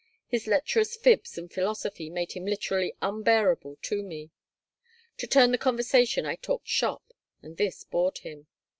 His lecherous fibs and philosophy made him literally unbearable to me. To turn the conversation I talked shop, and this bored him.